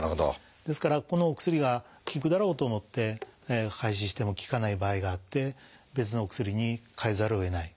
ですからこのお薬が効くだろうと思って開始しても効かない場合があって別のお薬に替えざるをえない。